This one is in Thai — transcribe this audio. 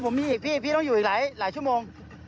ผมมีอีกพี่พี่ต้องอยู่อีกหลายชั่วโมง